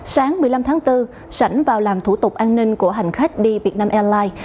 sáng một mươi năm tháng bốn sảnh vào làm thủ tục an ninh của hành khách đi vietnam airlines